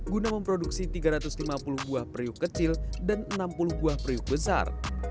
guna memproduksi tiga ratus lima puluh buah periuk kecil dan enam puluh buah periuk besar